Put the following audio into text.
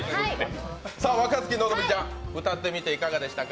若槻のぞみちゃん、歌ってみていかがでした？